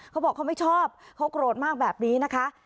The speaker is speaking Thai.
เขาบอกเขาไม่ชอบเขาโกรธมากแบบนี้นะคะ